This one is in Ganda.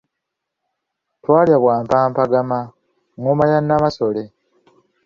Talya bwa mpampagama, ngoma ya Namasole.